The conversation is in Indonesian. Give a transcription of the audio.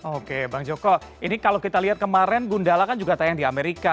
oke bang joko ini kalau kita lihat kemarin gundala kan juga tayang di amerika